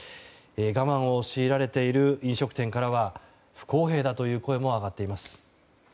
我慢を強いられている飲食店からは不公平だという声も上がっています。